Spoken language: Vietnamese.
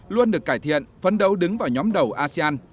luôn được cải thiện phấn đấu đứng vào nhóm đầu asean